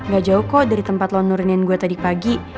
gak jauh kok dari tempat lo nuranian gue tadi pagi